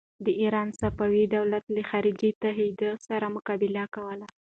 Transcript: د ایران صفوي دولت له خارجي تهدید سره مقابله کوله.